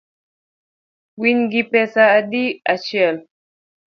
Winygi pesa adi achiel?